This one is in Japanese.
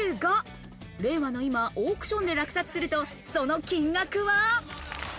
令和の今、オークションで落札すると、その金額は？